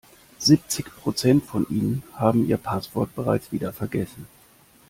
Siebzig Prozent von Ihnen haben ihr Passwort bereits wieder vergessen.